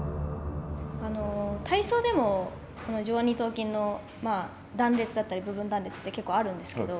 体操でも上腕二頭筋の断裂だったり部分断裂って結構あるんですけど。